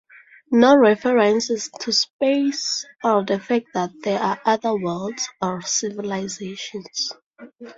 No references to space or the fact that there are other worlds or civilizations.